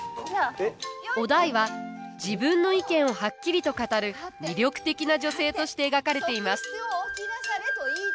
於大は自分の意見をはっきりと語る魅力的な女性として描かれています。